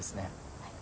はい。